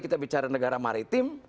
kita bicara negara maritim